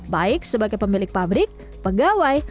baik sebagai pemilik pabrik pegawai